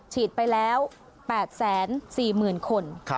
ฉีดไปแล้ว๘๔๐๐๐คน